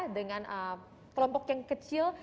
dengan kelompok yang kecil